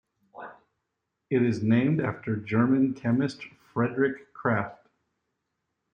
It is named after German chemist Friedrich Krafft.